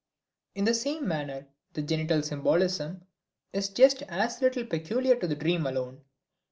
In the same manner the genital symbolism is just as little peculiar to the dream alone.